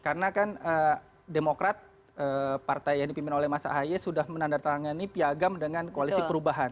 karena kan demokrat partai yang dipimpin oleh mas ahaye sudah menandatangani piagam dengan koalisi perubahan